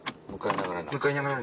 向かいながら。